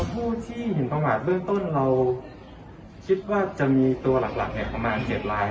ผู้ที่หินประมาทเบื้องต้นเราคิดว่าจะมีตัวหลักประมาณ๗ลาย